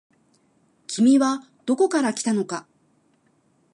君はどこから来たのか。